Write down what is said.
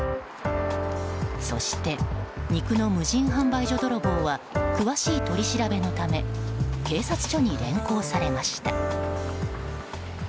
そして、肉の無人販売所泥棒は詳しい取り調べのため警察署に連行されました。